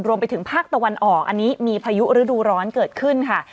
รวมไปถึงภาคตะวันออกอันนี้มีพายุฤดูร้อนเกิดขึ้นค่ะ